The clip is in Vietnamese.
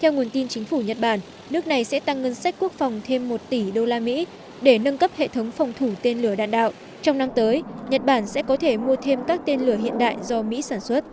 theo nguồn tin chính phủ nhật bản nước này sẽ tăng ngân sách quốc phòng thêm một tỷ usd để nâng cấp hệ thống phòng thủ tên lửa đạn đạo trong năm tới nhật bản sẽ có thể mua thêm các tên lửa hiện đại do mỹ sản xuất